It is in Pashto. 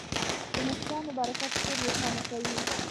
د مشرانو برکت کور روښانه کوي.